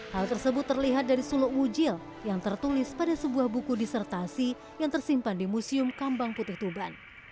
hal tersebut terlihat dari suluk wujil yang tertulis pada sebuah buku disertasi yang tersimpan di museum kambang putih tuban